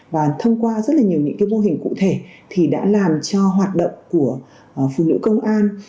và thông qua rất là nhiều những cái mô hình cụ thể thì đã làm cho hoạt động của phụ nữ công an